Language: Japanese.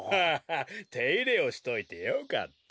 ッていれをしといてよかった。